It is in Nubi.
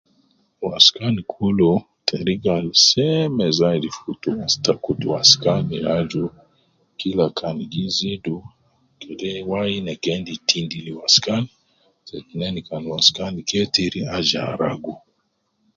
Waskan kulu teriga al seeme zaidi futu ta kutu waskan ya aju kila kan gi zidu, kede wai na keendi tindil waskan, te tineni kan waskan ketiri aju aragu.